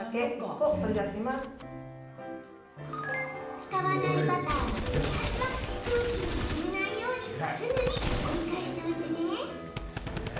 使わないバターの切り端は空気に触れないようにすぐに折り返しておいてね。